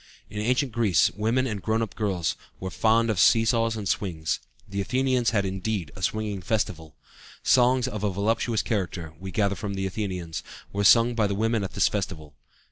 In ancient Greece, women and grown up girls were fond of see saws and swings. The Athenians had, indeed, a swinging festival (Athenæus, Bk. XIV, Ch. X). Songs of a voluptuous character, we gather from Athenæus, were sung by the women at this festival.